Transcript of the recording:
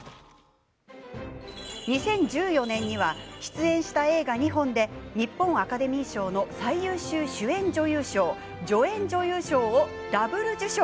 ２０１４年には出演した映画２本で日本アカデミー賞の最優秀主演女優賞、助演女優賞をダブル受賞。